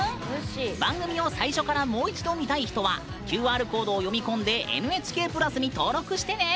番組を最初からもう一度見たい人はＱＲコードを読み込んで「ＮＨＫプラス」に登録してね。